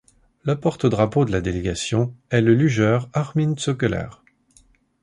Le porte-drapeau de la délégation est le lugeur Armin Zöggeler.